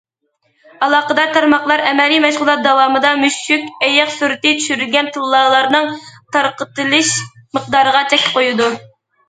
ئالاقىدار تارماقلار ئەمەلىي مەشغۇلات داۋامىدا مۈشۈكئېيىق سۈرىتى چۈشۈرۈلگەن تىللالارنىڭ تارقىتىلىش مىقدارىغا چەك قويىدۇ.